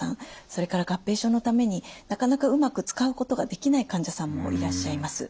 それから合併症のためになかなかうまく使うことができない患者さんもいらっしゃいます。